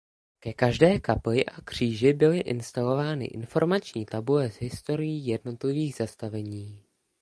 Ke každé kapli a kříži byly instalovány informační tabule s historií jednotlivých zastavení.